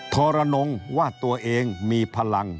ทรนงว่าตัวเองมีพลัง